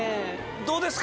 どうですか？